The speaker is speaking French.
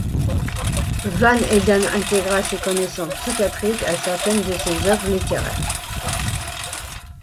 Van Eeden intégra ses connaissances psychiatriques à certaines de ses œuvres littéraires.